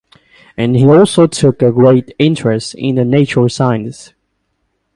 He also took a great interest in the natural sciences.